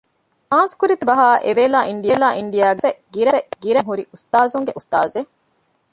ސާންސުކުރިތުބަހާއި އެވޭލާ އިންޑިއާގެ ސަގާފަތް ގިރައިބޮއިގެން ހުރި އުސްތާޒުންގެ އުސްތާޒެއް